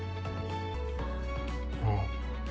ああ。